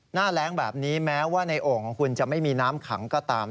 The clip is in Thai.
หน้าแรงแบบนี้แม้ว่าในโอ่งของคุณจะไม่มีน้ำขังก็ตาม